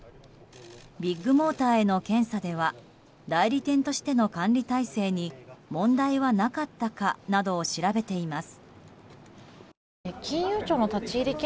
ビッグモーターへの検査では代理店としての管理体制に問題はなかったかなどを調べています。